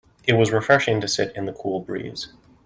It was refreshing to sit in the cool breeze.